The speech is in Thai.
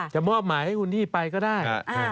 จะมอบหมายให้คุณนี่ไปก็ได้